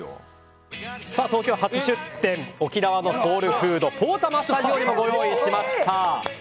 東京初出店沖縄のソウルフードポーたまをスタジオにご用意しました。